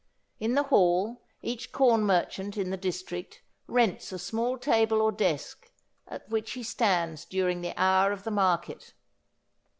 In the hall each corn merchant in the district rents a small table or desk, at which he stands during the hour of the market.